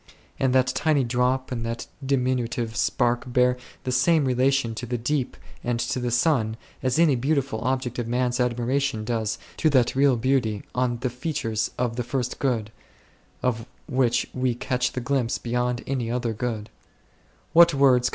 And that tiny drop and that diminutive spark bear the same relation to the Deep and to the Sun, as any beautiful object of man's admiration does to that real beauty on the features of the First Good, of which we catch the glimpse beyond any other good.